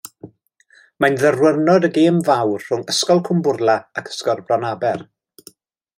Mae'n ddiwrnod y gêm fawr rhwng Ysgol Cwmbwrla ac Ysgol Bronaber.